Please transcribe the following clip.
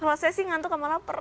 kalau saya sih ngantuk sama lapar